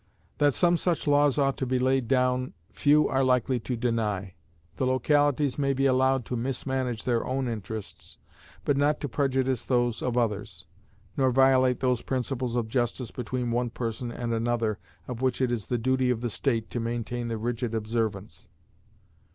That some such laws ought to be laid down few are likely to deny. The localities may be allowed to mismanage their own interests, but not to prejudice those of others, nor violate those principles of justice between one person and another of which it is the duty of the state to maintain the rigid observance.